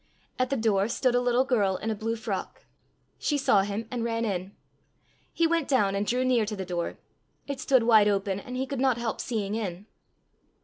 At the door stood a little girl in a blue frock. She saw him, and ran in. He went down and drew near to the door. It stood wide open, and he could not help seeing in.